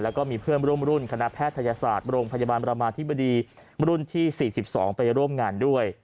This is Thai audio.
แล้วก็มีเพื่อนร่วมรุ่นคณะแพทยศาสตร์โรงพยาบาลประมาธิบดีรุ่นที่๔๒ไปร่วมงานด้วย